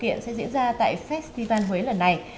nhiều sự kiện sẽ diễn ra tại festival huế lần này